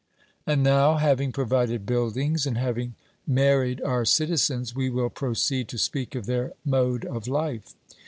And now, having provided buildings, and having married our citizens, we will proceed to speak of their mode of life.